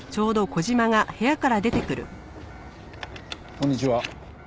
こんにちは。